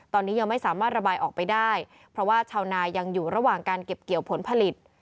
ตอนนี้ยังไม่สามารถระบายออกไปได้เพราะว่าชาวนายังอยู่ระหว่างการเก็บเกี่ยวผลผลิต